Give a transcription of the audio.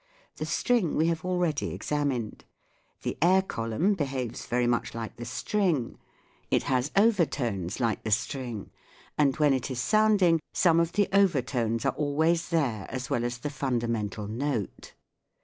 The string we have already examined. The air column behaves very much like the string : it has overtones like the SOUNDS OF THE SEA 149 string, and, when it is sounding, some of the over tones are always there as well as the fundamental note.